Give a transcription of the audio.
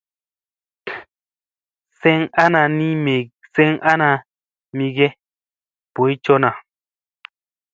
Seŋ ana mi ge boy coo na.